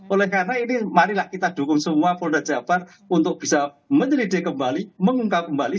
oleh karena ini marilah kita dukung semua polda jabar untuk bisa menyelidiki kembali mengungkap kembali